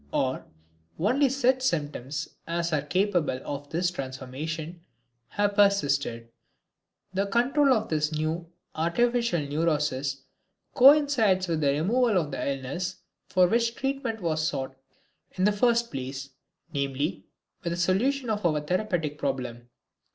Or, only such symptoms as are capable of this transformation have persisted. The control of this new, artificial neurosis coincides with the removal of the illness for which treatment was sought in the first place, namely, with the solution of our therapeutic problem.